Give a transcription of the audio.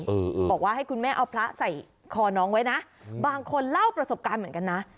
บอกว่าให้คุณแม่เอาพระใส่คอน้องไว้นะบางคนเล่าประสบการณ์เหมือนกันนะ